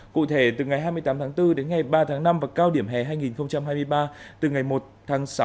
cụ thể từ ngày hai mươi tám tháng bốn đến ngày ba tháng năm và cao điểm hè hai nghìn hai mươi ba từ ngày một tháng sáu